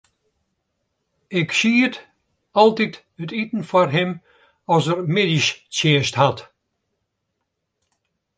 Ik sied altyd it iten foar him as er middeistsjinst hat.